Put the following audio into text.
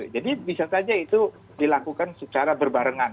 jadi bisa saja itu dilakukan secara berbarengan